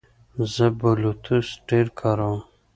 زه بلوتوث ډېر کاروم.